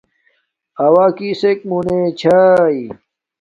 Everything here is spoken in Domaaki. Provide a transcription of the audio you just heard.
اوݳ کِس مُنݺ چݳئݺ؟